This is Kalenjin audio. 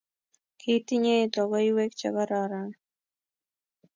Kitinyei logoiywek chegororon